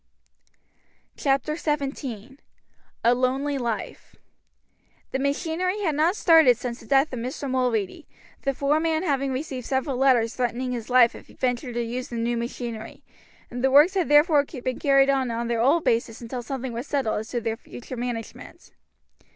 CHAPTER XVII: A LONELY LIFE The machinery had not started since the death of Mr. Mulready, the foreman having received several letters threatening his life if he ventured to use the new machinery; and the works had therefore been carried on on their old basis until something was settled as to their future management.